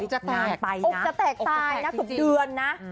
ออกจะแตกตายนะสุดเดือนนะ